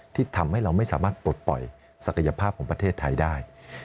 ที่ทำให้เราไม่สามารถปลดปล่อยศักยภาพของประเทศไทยได้